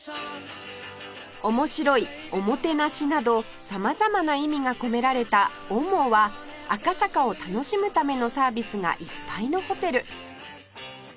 「おもしろい」「おもてなし」など様々な意味が込められた ＯＭＯ は赤坂を楽しむためのサービスがいっぱいのホテル